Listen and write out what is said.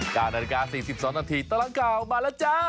๙นาฬิกา๔๒นาทีตลอดข่าวมาแล้วจ้า